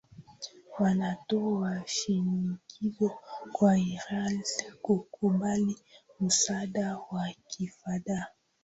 wanatoa shinikizo kwa ireland kukubali msaada wa kifedha